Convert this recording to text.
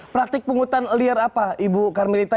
praktik pungutan liar apa ibu karmelita